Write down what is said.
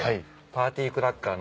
パーティークラッカー。